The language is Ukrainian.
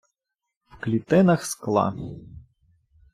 В клітинах скла...